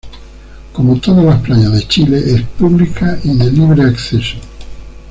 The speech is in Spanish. Como todas las playas de Chile, es pública y de libre acceso.